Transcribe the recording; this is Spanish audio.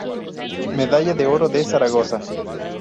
Medalla de Oro de Zaragoza.